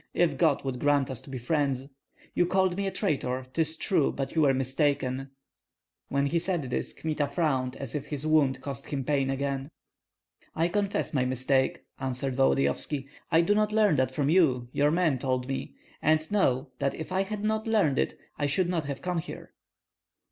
If God would grant us to be friends! You called me a traitor, 'tis true, but you were mistaken." When he said this, Kmita frowned as if his wound caused him pain again. "I confess my mistake," answered Volodyovski. "I do not learn that from you; your men told me. And know that if I had not learned it I should not have come here."